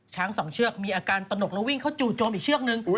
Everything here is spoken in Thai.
สองเชือกมีอาการตนกแล้ววิ่งเข้าจู่โจมอีกเชือกนึง